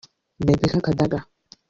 Rebecca Kadaga